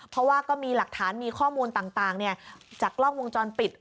เพราะว่าก็มีหลักฐานมีข้อมูลต่างจากกล้องวงจรปิด